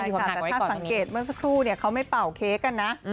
แต่ถ้าสังเกตเมื่อสักครู่เขาไม่เป่าเค้กกันนะ